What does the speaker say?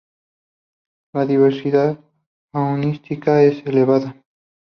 La diversidad faunística es elevada.